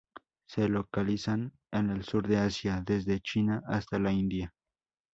Se localizan en el sur de Asia, desde China hasta la India.